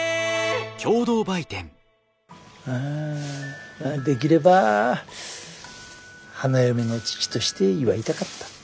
あできれば花嫁の父として祝いたかった。